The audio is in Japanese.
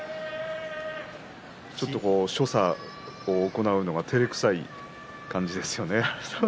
ちょっと所作を行うのがてれくさい感じですよね。